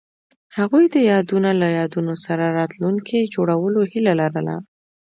هغوی د یادونه له یادونو سره راتلونکی جوړولو هیله لرله.